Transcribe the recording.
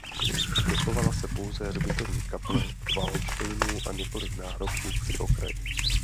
Dochovala se pouze hřbitovní kaple Valdštejnů a několik náhrobků při okraji.